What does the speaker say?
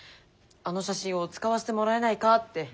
あの写真を使わせてもらえないかって。